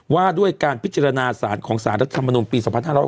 ว่าด้วยการพิจารณาสารของสารรัฐมนุนปี๒๕๖๐